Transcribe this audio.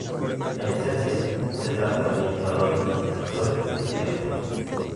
En esencia, se trata de administradores, profesores y estudiantes.